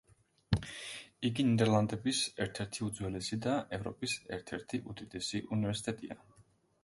იგი ნიდერლანდების ერთ-ერთი უძველესი და ევროპის ერთ-ერთი უდიდესი უნივერსიტეტია.